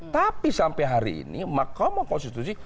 tapi sampai hari ini mahkamah konstitusi